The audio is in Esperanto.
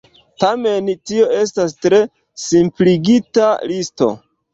Tamen, tio estas tre simpligita listo.